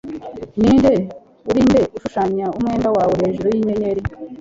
Ninde uri nde ushushanya umwenda wawe hejuru yinyenyeri